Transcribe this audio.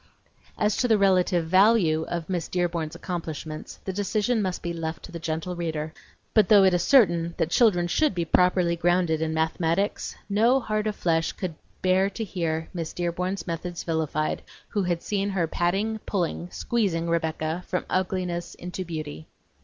As to the relative value of Miss Dearborn's accomplishments, the decision must be left to the gentle reader; but though it is certain that children should be properly grounded in mathematics, no heart of flesh could bear to hear Miss Dearborn's methods vilified who had seen her patting, pulling, squeezing Rebecca from ugliness into beauty.